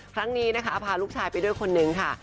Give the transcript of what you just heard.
ครั้งนี้นะคะพาลูกชายไปด้วยคนนึงค่ะ